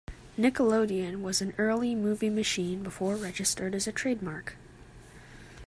"Nickelodeon" was an early movie machine before registered as a trademark.